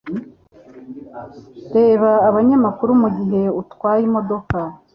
Reba abanyamaguru mugihe utwaye imodoka.